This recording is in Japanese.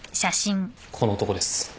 この男です。